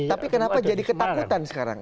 tapi kenapa jadi ketakutan sekarang